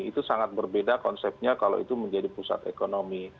itu sangat berbeda konsepnya kalau itu menjadi pusat ekonomi